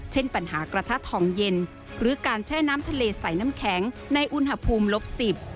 ปัญหากระทะทองเย็นหรือการแช่น้ำทะเลใส่น้ำแข็งในอุณหภูมิลบสิบ